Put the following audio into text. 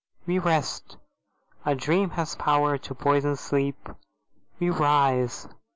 We rest. A dream has power to poison sleep; We rise.